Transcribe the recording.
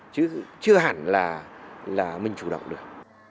chứ chưa hẳn là mình chủ động được